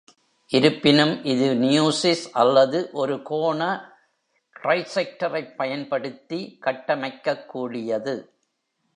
இருப்பினும், இது நியூசிஸ் அல்லது ஒரு கோண ட்ரைசெக்டரைப் பயன்படுத்தி கட்டமைக்கக்கூடியது.